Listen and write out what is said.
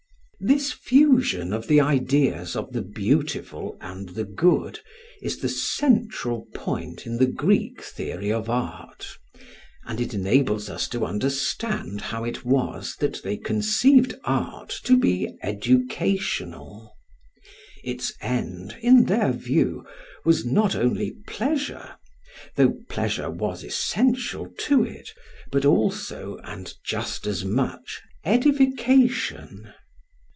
] This fusion of the ideas of the beautiful and the good is the central point in the Greek Theory of Art; and it enables us to understand how it was that they conceived art to be educational. Its end, in their view, was not only pleasure, though pleasure was essential to it; but also, and just as much, edification.